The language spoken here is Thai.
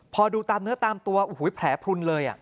พอดูตามเนื้อตามตัวโอ้โหแผลพลุนเลย